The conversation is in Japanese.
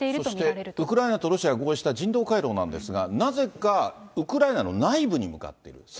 そしてウクライナとロシアが合意した人道回廊なんですが、なぜかウクライナの内部に向かっている。